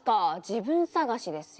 自分探しですよ。